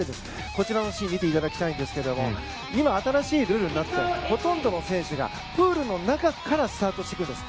こちらのシーン見ていただきたいですが今、新しいルールになってほとんどの選手がプールの中からスタートしていくんです。